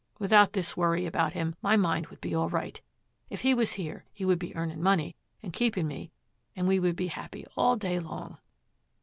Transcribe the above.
Without this worry about him, my mind would be all right; if he was here he would be earning money and keeping me and we would be happy all day long.'